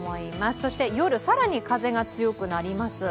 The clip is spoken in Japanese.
そして夜、更に風が強くなります。